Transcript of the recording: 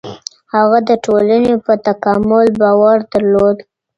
هغه د ټولني په تکامل باور درلود.